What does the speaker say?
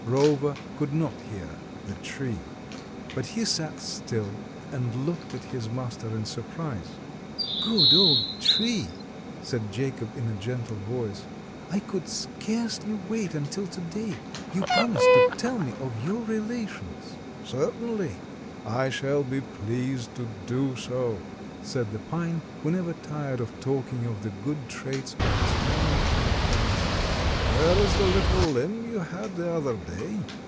Rover could not hear the tree, but he sat still and looked at his master in surprise. "Good old tree," said Jacob in a gentle voice. "I could scarcely wait until today. You promised to tell me of your relations." "Certainly, I shall be pleased to do so," said the pine, who never tired of talking of the good traits of its family and friends. "Where is the little limb you had the other day?"